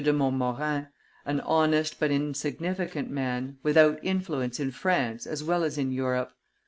de Montmorin, an honest but insignificant man, without influence in France as well as in Europe.